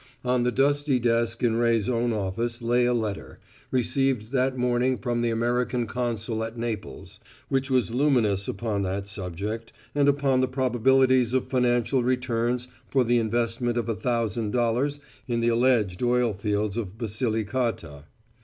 On the dusty desk in Ray's own office lay a letter, received that morning from the American Consul at Naples, which was luminous upon that subject, and upon the probabilities of financial returns for the investment of a thousand dollars in the alleged oil fields of Basilicata.